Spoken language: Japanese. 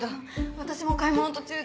私も買い物の途中で。